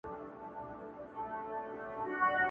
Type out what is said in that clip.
ښه او بد لټوه ځان کي ایینه کي نیرنګ نه وي,